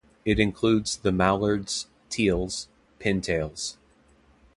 It includes the mallard, teals, pintails.